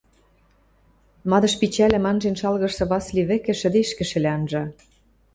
Мадыш пичӓлӹм анжен шалгышы Васли вӹкӹ шӹдешкӹшӹлӓ анжа.